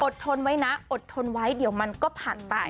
ทนไว้นะอดทนไว้เดี๋ยวมันก็ผ่านไป